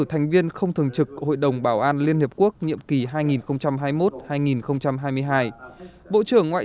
thành viên không thường trực hội đồng bảo an liên hiệp quốc nhiệm kỳ hai nghìn hai mươi một hai nghìn hai mươi hai bộ trưởng ngoại